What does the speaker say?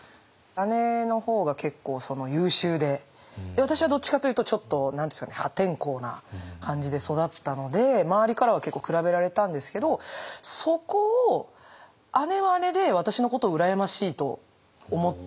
姉の方が結構優秀で私はどっちかというとちょっと破天荒な感じで育ったので周りからは結構比べられたんですけどそこを姉は姉で私のことを羨ましいと思ってたみたいで。